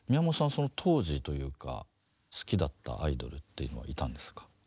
その当時というか好きだったアイドルっていうのはいたんですか？